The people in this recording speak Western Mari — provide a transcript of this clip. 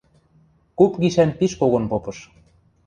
Куп гишӓн пиш когон попыш.